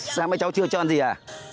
sáng mẹ cháu chưa cho ăn gì à